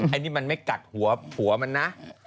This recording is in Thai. อันนี้มันไม่กัดหัวผัวมันนะ